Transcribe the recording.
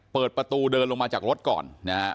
เปิดประตูเดินลงมาจากรถก่อนนะฮะ